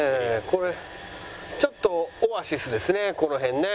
これちょっとオアシスですね